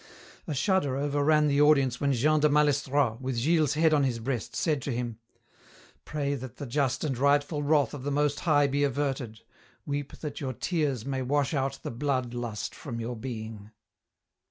A shudder overran the audience when Jean de Malestroit, with Gilles's head on his breast, said to him, "Pray that the just and rightful wrath of the Most High be averted, weep that your tears may wash out the blood lust from your being!"